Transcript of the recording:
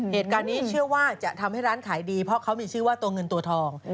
เหตุการณ์นี้เชื่อว่าจะทำให้ร้านขายดีเพราะเขามีชื่อว่าตัวเงินตัวทอง